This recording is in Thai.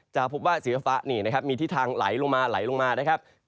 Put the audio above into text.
จะพบว่าสีฟ้านี่นะครับมีทิศทางไหลลงมาไหลลงมานะครับ